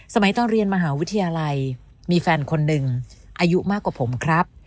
ตอนเรียนมหาวิทยาลัยมีแฟนคนหนึ่งอายุมากกว่าผมครับ